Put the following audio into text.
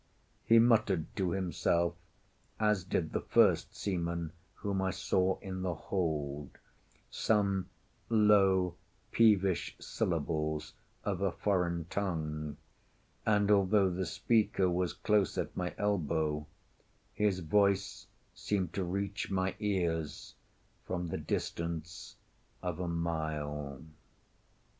He muttered to himself, as did the first seaman whom I saw in the hold, some low peevish syllables of a foreign tongue, and although the speaker was close at my elbow, his voice seemed to reach my ears from the distance of a mile.